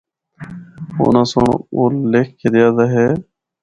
اُناں سنڑ او لکھ گدیا دا ہے۔